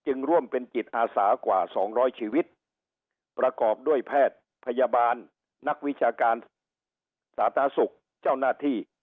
ร่วมเป็นจิตอาสากว่าสองร้อยชีวิตประกอบด้วยแพทย์พยาบาลนักวิชาการสาธารณสุขเจ้าหน้าที่